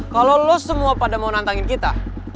kalau lo semua pada mau nantangin kita